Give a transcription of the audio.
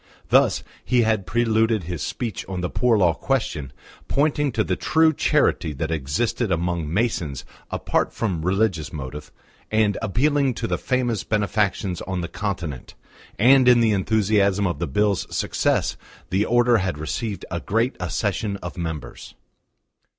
Thus he had preluded his speech on the Poor Law question, pointing to the true charity that existed among Masons apart from religious motive, and appealing to the famous benefactions on the Continent; and in the enthusiasm of the Bill's success the Order had received a great accession of members.